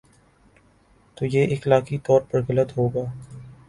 تو یہ اخلاقی طور پر غلط ہو گا۔